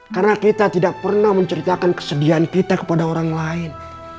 karena kita tidak pernah menceritakan kesedihan kita kepada orang lain